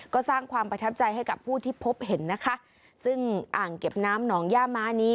ก็สร้างความประทับใจให้กับผู้ที่พบเห็นนะคะซึ่งอ่างเก็บน้ำหนองย่าม้านี้